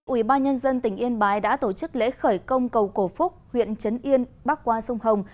ủy ban nhân dân tỉnh yên bái đã tổ chức lễ khởi công cầu cổ phúc huyện trấn yên bắc qua sông hồng